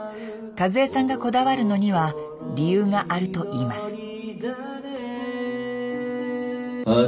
和恵さんがこだわるのには理由があるといいます。